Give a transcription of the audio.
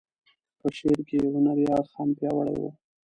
په شعر کې یې هنري اړخ هم پیاوړی و.